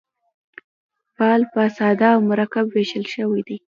فعل پر ساده او مرکب وېشل سوی دئ.